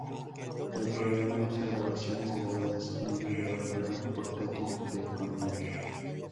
El programa usa grabaciones grabadas en una grabadora portátil de Conway.